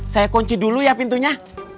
saya kunci dulu ya pintunya